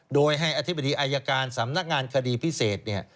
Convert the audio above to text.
โดยให้อธิบดีอายการสำนักงานคดีพิเศษเนี่ย